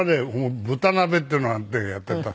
豚鍋っていうのがあってやってた。